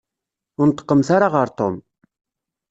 Ur neṭṭqemt ara ɣer Tom.